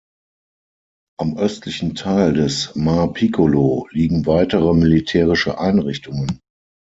Am östlichen Teil des "Mar Piccolo" liegen weitere militärische Einrichtungen.